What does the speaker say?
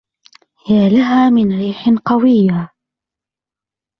يا لها من ريح قوية!